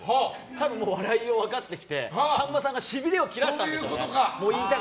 多分笑いを分かってきてしびれを切らしたんでしょうね。